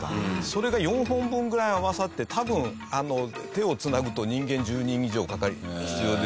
それが４本分ぐらい合わさって多分手を繋ぐと人間１０人以上必要ですみたいな。